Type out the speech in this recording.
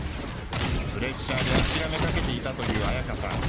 プレッシャーで諦めかけていたという彩夏さん。